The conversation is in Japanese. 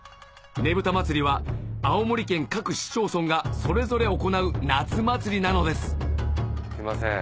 ねぶた祭りは青森県各市町村がそれぞれ行う夏祭りなのですすいません。